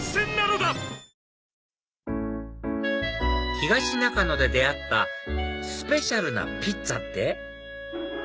東中野で出会ったスペシャルなピッツァって？